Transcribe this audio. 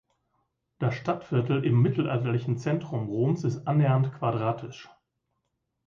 Das Stadtviertel im mittelalterlichen Zentrum Roms ist annähernd quadratisch.